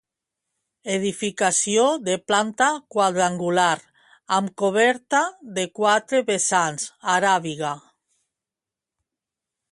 Edificació de planta quadrangular amb coberta de quatre vessants aràbiga.